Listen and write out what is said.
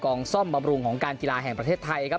ซ่อมบำรุงของการกีฬาแห่งประเทศไทยครับ